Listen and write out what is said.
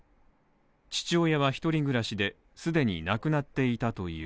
父親は１人暮らしで、既に亡くなっていたという。